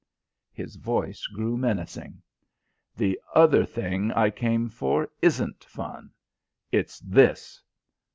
His voice grew menacing. "The other thing I came for isn't fun. It's this."